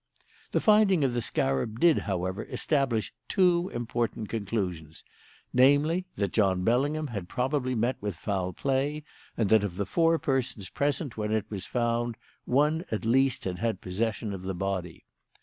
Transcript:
The finding of the scarab did, however, establish two important conclusions; namely, that John Bellingham had probably met with foul play, and that of the four persons present when it was found, one at least had had possession of the body.